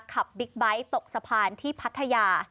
บิ๊กไบท์ตกสะพานที่พัทยา